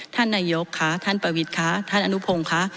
ท่านนายกค่ะท่านประวิทย์คะท่านอนุพงศ์ค่ะ